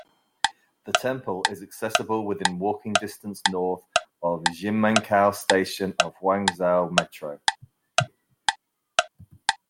The temple is accessible within walking distance north of Ximenkou Station of Guangzhou Metro.